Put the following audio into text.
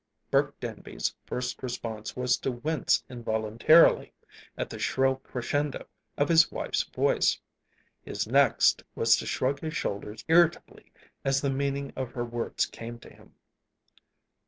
Burke Denby's first response was to wince involuntarily at the shrill crescendo of his wife's voice. His next was to shrug his shoulders irritably as the meaning of her words came to him.